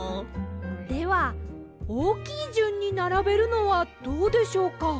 ではおおきいじゅんにならべるのはどうでしょうか？